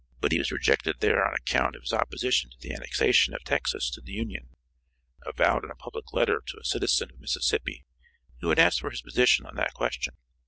But he was rejected there on account of his opposition to the annexation of Texas to the Union, avowed in a public letter to a citizen of Mississippi who had asked for his position on that question.